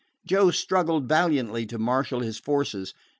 Joe struggled valiantly to marshal his forces.